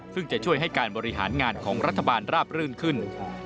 ซึ่งจะช่วยให้การบริหารงานของรัฐบาลราบรื่นขึ้น